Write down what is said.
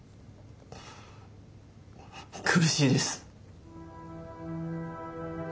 苦しいです。